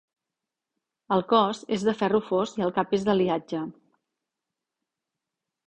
El cos és de ferro fos i el cap és d'aliatge.